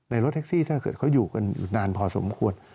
ในรถแท็กซี่ถ้าเขาอยู่กันอยู่นานพอสมควร